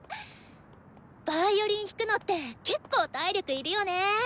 ヴァイオリン弾くのってけっこう体力いるよね。